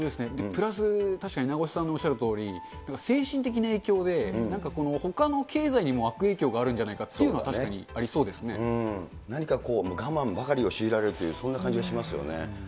プラス確かに名越先生おっしゃるとおり、精神的な影響で、ほかの経済にも悪影響があるんじゃないかっていうのは、確かにあ何かこう、我慢ばかりを強いられる、そんな感じがしますよね。